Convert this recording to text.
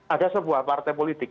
ada sebuah partai politik